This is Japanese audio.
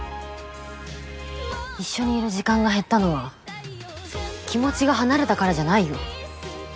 一緒にいる時間が減ったのは気持ちが離れたからじゃないよ